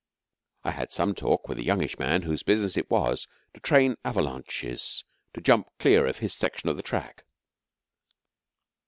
I had some talk with a youngish man whose business it was to train avalanches to jump clear of his section of the track.